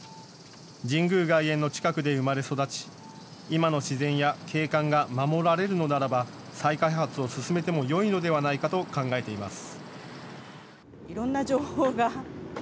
神宮外苑の近くで生まれ育ち今の自然や景観が守られるのならば再開発を進めてもよいのではないかと考えています。